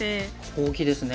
大きいですね。